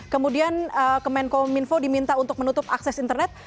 kemudian kemenkominfo diminta untuk menutup akses internet